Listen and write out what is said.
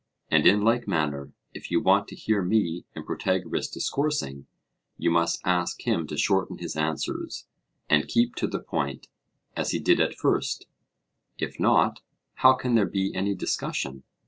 And in like manner if you want to hear me and Protagoras discoursing, you must ask him to shorten his answers, and keep to the point, as he did at first; if not, how can there be any discussion?